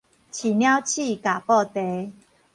飼鳥鼠，咬布袋